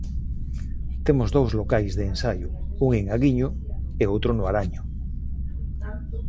Temos dous locais de ensaio, un en Aguiño e outro no Araño.